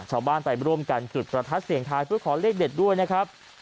ชาวบ้านไปร่วมกันจุดประทัดเสียงทายเพื่อขอเลขเด็ดด้วยนะครับ